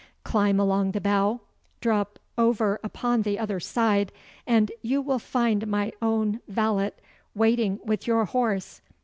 Climb along the bough, drop over upon the other side, and you will find my own valet waiting with your horse.